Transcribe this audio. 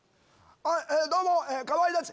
どうも「かまいたち」